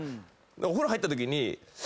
お風呂入ったときに。